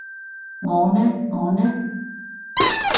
我呢我呢？